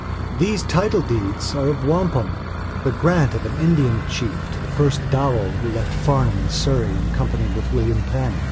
These title deeds are of wampum, the grant of an Indian chief to the first Dowell, who left Farnham in Surrey in company with William Penn.